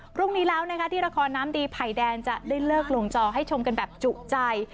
พรุ่งนี้แล้วนะคะที่ละครน้ำดีไผ่แดนจะได้เลิกลงจอให้ชมกันแบบจุใจ